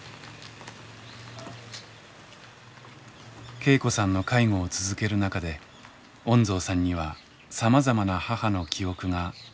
恵子さんの介護を続ける中で恩蔵さんにはさまざまな母の記憶がよみがえるようになっていました。